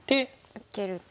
受けると。